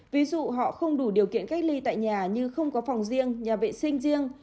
ví dụ họ không đủ điều kiện cách ly tại nhà như không có phòng riêng nhà vệ sinh riêng